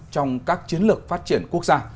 trong các chiến lược phát triển quốc gia